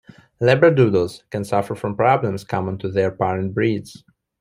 Labradoodles can suffer from problems common to their parent breeds.